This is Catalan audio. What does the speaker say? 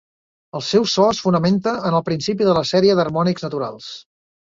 El seu so es fonamenta en el principi de la sèrie d'harmònics naturals.